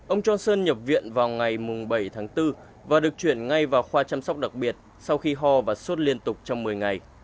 ông johnson nhập viện vào ngày bảy tháng bốn và được chuyển ngay vào khoa chăm sóc đặc biệt sau khi ho và sốt liên tục trong một mươi ngày